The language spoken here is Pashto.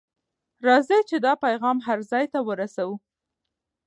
راځئ چې دا پیغام هر ځای ته ورسوو.